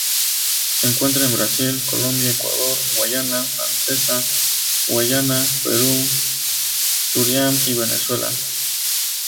Se encuentra en Brasil, Colombia, Ecuador, Guayana Francesa, Guayana, Perú, Surinam y Venezuela.